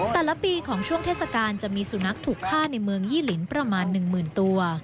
แต่ละปีของช่วงเทศกาลจะมีสุนัขถูกฆ่าในเมืองยี่ลินประมาณ๑๐๐๐ตัว